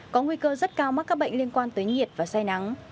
có nguy cơ rất cao mắc các bệnh liên quan tới nhiệt và say nắng